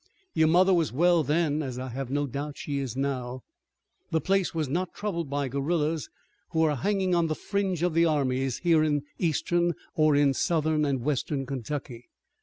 "Your mother was well then, as I have no doubt she is now. The place was not troubled by guerillas who are hanging on the fringe of the armies here in Eastern, or in Southern and Western Kentucky.